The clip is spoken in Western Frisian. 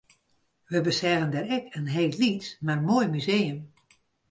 Wy beseagen dêr ek in hiel lyts mar moai museum